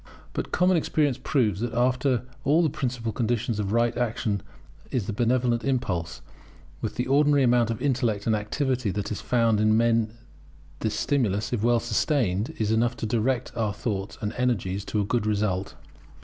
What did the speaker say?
But common experience proves that after all the principal condition of right action is the benevolent impulse; with the ordinary amount of intellect and activity that is found in men this stimulus, if well sustained, is enough to direct our thoughts and energies to a good result.